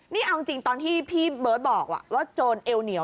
นี่เอาจริงตอนที่พี่เบิร์ตบอกว่าโจรเอวเหนียว